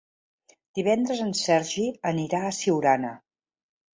Divendres en Sergi anirà a Siurana.